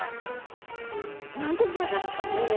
何でギョざるかね。